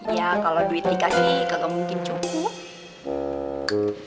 iya kalo duit dikasih kagak mungkin cukup